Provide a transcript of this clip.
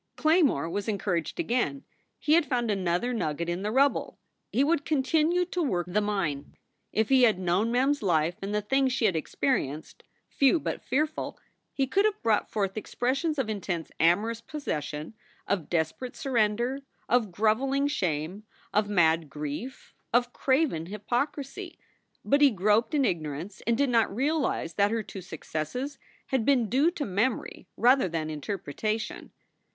Claymore was encouraged again. He had found another nugget in the rubble. He would continue to work the mine. If he had known Mem s life and the things she had experi enced, few but fearful, he could have brought forth expres sions of intense amorous possession, of desperate surrender, of groveling shame, of mad grief, of craven hypocrisy. But he groped in ignorance and did not realize that her two successes had been due to memory rather than interpretation.